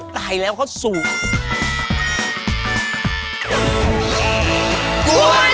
โอ๊ยตายแล้วเขาสูง